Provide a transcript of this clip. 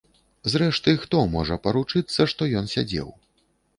Зрэшты, хто можа паручыцца, што ён сядзеў.